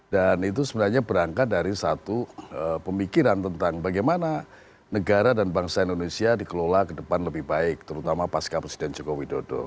dan itu sebenarnya berangkat dari satu pemikiran tentang bagaimana negara dan bangsa indonesia dikelola ke depan lebih baik terutama pasca presiden joko widodo